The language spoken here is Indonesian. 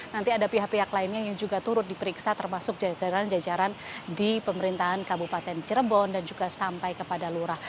nanti ada pihak pihak lainnya yang juga turut diperiksa termasuk jajaran jajaran di pemerintahan kabupaten cirebon dan juga sampai kepada lurah